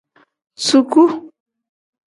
Zuuku.